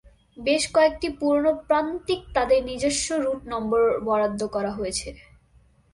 বেশ কয়েকটি পুরানো প্রান্তিক তাদের নিজস্ব রুট নম্বর বরাদ্দ করা হয়েছে।